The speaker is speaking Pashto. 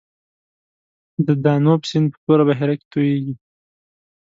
د دانوب سیند په توره بحیره کې تویږي.